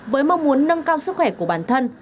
với mong muốn nâng cao sức khỏe của bản thân